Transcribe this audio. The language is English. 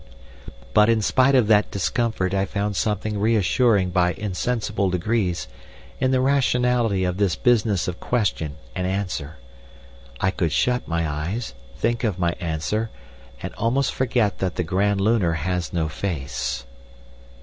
"But in spite of that discomfort I found something reassuring by insensible degrees in the rationality of this business of question and answer. I could shut my eyes, think of my answer, and almost forget that the the Grand Lunar has no face....